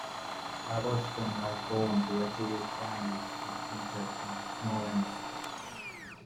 Lavochkin was born to a Jewish family of teachers in Smolensk.